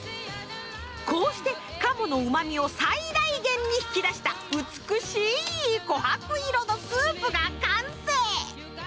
こうして鴨のうま味を最大限に引き出した美しい琥珀色のスープが完成。